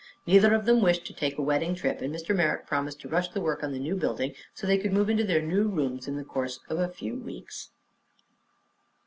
Neither of them wished to take a wedding trip, and Mr. Merrick promised to rush the work on the new building so they could move into their new rooms in the course of a few weeks.